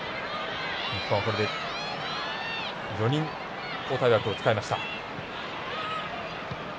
４人、交代枠を使いました。